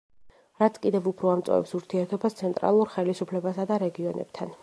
რაც კიდევ უფრო ამწვავებს ურთიერთობას ცენტრალურ ხელისუფლებასა და რეგიონებთან.